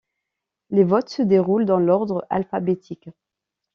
Les votes se déroulent dans l'ordre alphabétique.